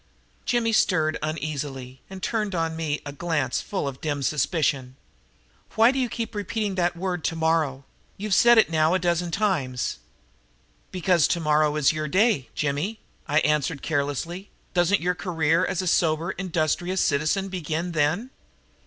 Jimmy stirred uneasily and turned on me a glance full of dim suspicion. "Why do you keep repeating that word tomorrow? You've said it now a dozen times." "Because tomorrow is your day, Jimmy," I answered carelessly. "Doesn't your career as a sober, industrious citizen begin then?"